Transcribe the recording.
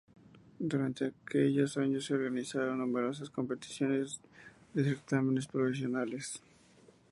Durante aquellos años se organizaron numerosas competiciones de certámenes provinciales.